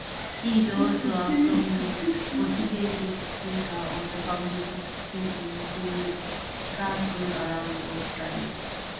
He is also a prominent motivational speaker on the public speaking circuit around Australia.